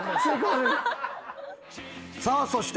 さあそして。